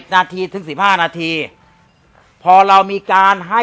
นาทีถึง๑๕นาทีพอเรามีการให้